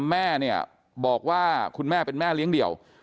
แม่เนี่ยบอกว่าคุณแม่เป็นแม่เลี้ยงเดี่ยว